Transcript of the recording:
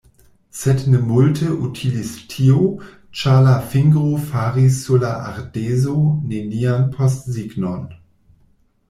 Sed ne multe utilis tio, ĉar la fingro faris sur la ardezo nenian postsignon.